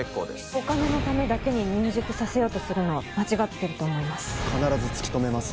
お金のためだけに入塾させようとするのは間違ってると思います。